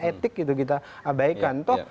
etik itu kita abaikan